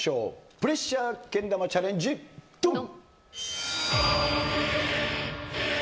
プレッシャーけん玉チャレンジドン！